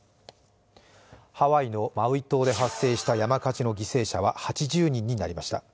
ハワイのマウイ島で発生した山火事の犠牲者は８０人になりました。